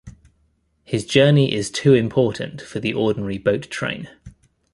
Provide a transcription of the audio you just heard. His journey is too important for the ordinary boat-train.